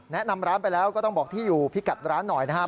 แนะนำร้านไปแล้วก็ต้องบอกที่อยู่พิกัดร้านหน่อยนะครับ